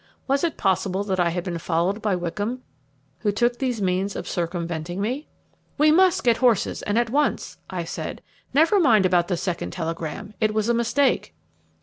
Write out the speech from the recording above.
Was it possible that I had been followed by Wickham, who took these means of circumventing me? "We must get horses, and at once," I said. "Never mind about the second telegram; it was a mistake."